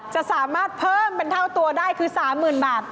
จะสามารถเพิ่มเป็นเท่าตัวได้คือ๓๐๐๐บาท